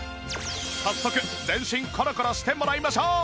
早速全身コロコロしてもらいましょう